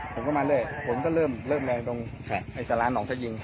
ผมก็มาเริ่มร้านตะวินแรงตรงอายุสรร้านหนองทะยิง